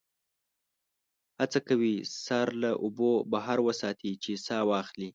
هڅه کوي سر له اوبو بهر وساتي چې سا واخلي.